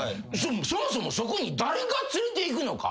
そもそもそこに誰が連れていくのか。